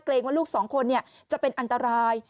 ว่าลูกสองคนจะเป็นอันตราย